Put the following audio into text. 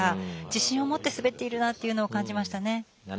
自信を持って滑っているなというふうに感じましたね。